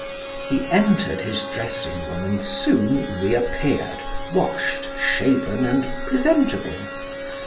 He entered his dressing room and soon reappeared, washed, shaven, and presentable.